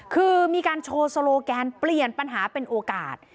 คือมีการโชว์โซโลแกนเปลี่ยนปัญหาเป็นโอกาส